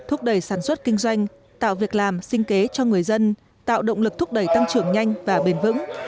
thúc đẩy sản xuất kinh doanh tạo việc làm sinh kế cho người dân tạo động lực thúc đẩy tăng trưởng nhanh và bền vững